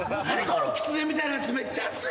このきつねみたいなやつめっちゃ熱い。